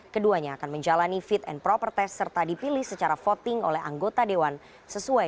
keduanya akan menjalani pemilihan wakil gubernur